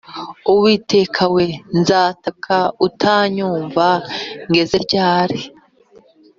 uwiteka we, nzataka utanyumva ngeze ryari’